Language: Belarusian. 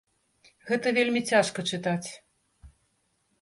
Гэта вельмі цяжка чытаць.